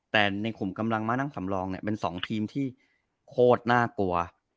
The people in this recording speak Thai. แต่ในกลุ่มกำลังมานั่งสำรองเนี่ยเป็น๒ทีมที่โคตรน่ากลัว